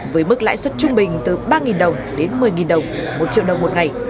với mức lãi suất trung bình từ ba đồng đến một mươi đồng một triệu đồng một ngày